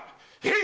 え